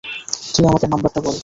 তুই আমাকে নাম্বারটা বল।